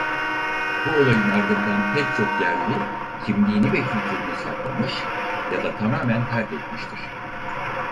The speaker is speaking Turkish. Bu olayın ardından pek çok yerli kimliğini ve kültürünü saklamış ya da tamamen terk etmiştir.